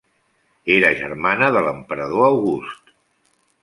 Era germana de l'emperador August.